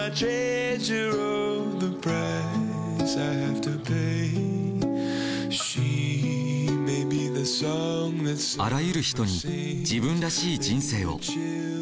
あらゆる人に自分らしい人生を。